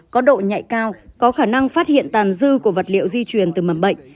có độ nhạy cao có khả năng phát hiện tàn dư của vật liệu di truyền từ mầm bệnh